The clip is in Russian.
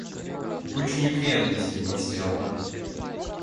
Кучу неприятностей мне сделала.